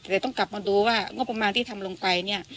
แต่ต้องกลับมาดูว่างบประมาณที่ทำลงไป